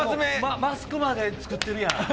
マスクまで作ってるやん。